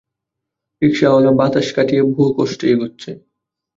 রিকশাওয়ালা বাতাস কাটিয়ে বহু কষ্টে এগুচ্ছে।